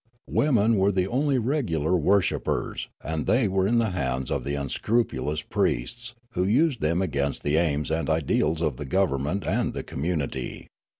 Women were the onlj^ regular worshippers, and they were in the hands of unscrupulous priests, who used them against the aims and ideals of the gov^ernment and the communit}'.